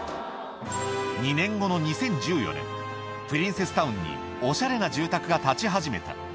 ２年後の２０１４年、プリンセスタウンにおしゃれな住宅が建ち始めた。